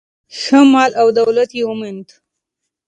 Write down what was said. ښه مال او دولت یې وموند.